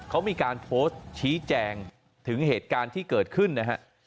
เขามีการโพสต์ชี้แจงถึงเหตุการณ์ที่เกิดขึ้นนะฮะ